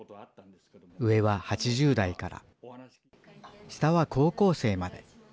上は８０代から、下は高校生まで。